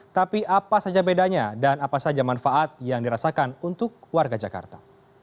tapi apa saja bedanya dan apa saja manfaat yang dirasakan untuk warga jakarta